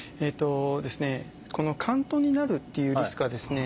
この嵌頓になるっていうリスクはですね